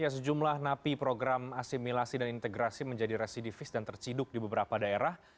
sejumlah napi program asimilasi dan integrasi menjadi residivis dan terciduk di beberapa daerah